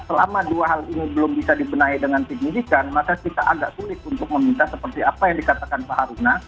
selama dua hal ini belum bisa dibenahi dengan signifikan maka kita agak sulit untuk meminta seperti apa yang dikatakan pak haruna